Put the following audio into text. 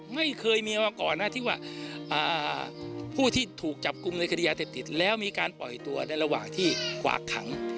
ไม่เคยมีมาก่อนนะที่ว่าผู้ที่ถูกจับกลุ่มในคดียาเสพติดแล้วมีการปล่อยตัวในระหว่างที่กวากขัง